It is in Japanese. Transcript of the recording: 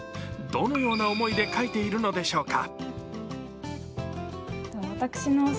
どのような思いで書いているのでしょうか。